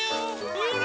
ほら！